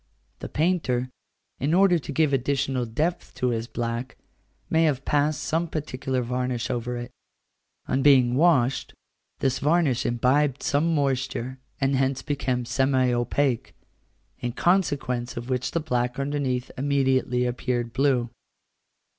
The painter, in order to give additional depth to his black, may have passed some particular varnish over it: on being washed, this varnish imbibed some moisture, and hence became semi opaque, in consequence of which the black underneath immediately appeared blue.